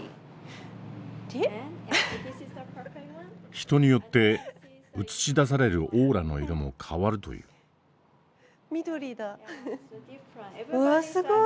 人によって映し出されるオーラの色も変わるという。わすごい！